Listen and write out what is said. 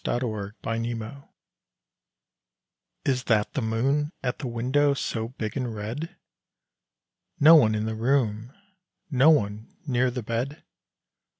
DREAM CONFUSED Is that the moon At the window so big and red? No one in the room, No one near the bed